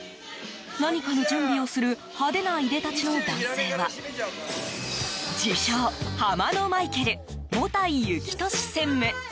何かの準備をする派手な、いでたちの男性は自称、ハマのマイケル茂田井幸利専務。